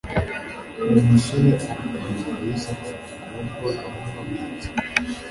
Uwo musore arakanguka, Yesu amufata ukuboko aramuhagurutsa.